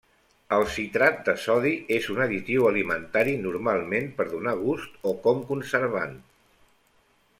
El citrat de sodi és un additiu alimentari normalment per donar gust o com conservant.